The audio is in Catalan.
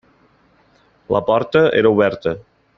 La porta era oberta.